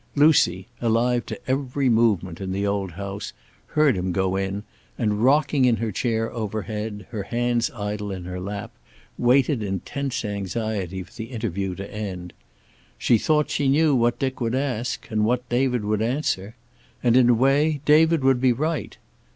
Lucy, alive to every movement in the old house, heard him go in and, rocking in her chair overhead, her hands idle in her lap, waited in tense anxiety for the interview to end. She thought she knew what Dick would ask, and what David would answer. And, in a way, David would be right.